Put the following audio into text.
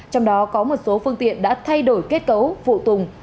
trong đó có một số phương tiện đã thay đổi kết cấu phụ tùng